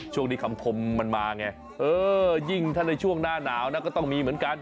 คำคมมันมาไงเออยิ่งถ้าในช่วงหน้าหนาวนะก็ต้องมีเหมือนกัน